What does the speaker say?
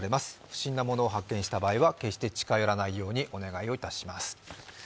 不審なものを発見した場合は決して近寄らないようにお願いします。